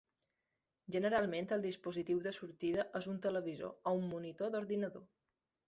Generalment el dispositiu de sortida és un televisor o un monitor d'ordinador.